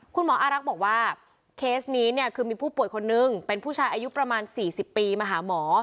คุณหมออารักษ์บอกว่าเคสนี้เนี่ยคือมีผู้ป่วยคนนึงเป็นผู้ชายอายุประมาณ๔๐ปีมาหาหมอ